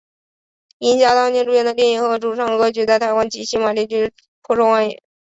银霞当年主演的电影和主唱歌曲在台湾及星马地区颇受欢迎。